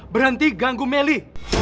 berhenti ganggu meli